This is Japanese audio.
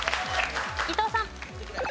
伊藤さん。